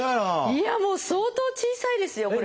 いやもう相当小さいですよこれ。